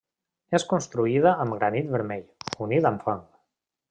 És construïda amb granit vermell, unit amb fang.